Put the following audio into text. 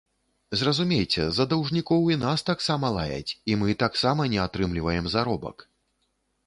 Зразумейце, за даўжнікоў і нас таксама лаяць, і мы таксама не атрымліваем заробак.